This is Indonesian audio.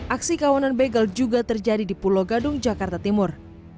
aksi kawanan begel juga terjadi di pulau gadung jakarta timur